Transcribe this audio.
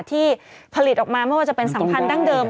ที่ผลิตออกมาไม่ว่าจะเป็นสัมพันธ์ดั้งเดิม